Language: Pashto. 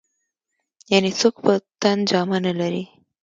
يعنې څوک په تن جامه نه لري.